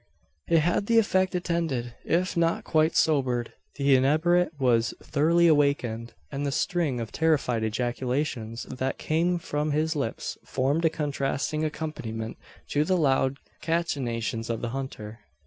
It had the effect intended. If not quite sobered, the inebriate was thoroughly awakened; and the string of terrified ejaculations that came from his lips formed a contrasting accompaniment to the loud cachinnations of the hunter.